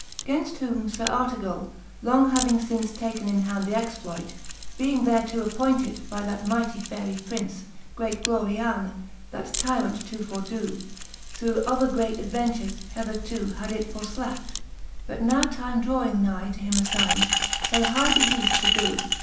Gainft whom Sir Artegally long having fince Taken in hand th'exploit, being theretoo Appointed by that mightie Faerie Prince, Great Gloriane, that tyrant to fordoo, Through other great adventures hethertoo Had it forflackt. But now time drawing ny. To him afynd, her high beheaft to doo.